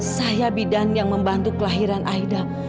saya bidan yang membantu kelahiran aida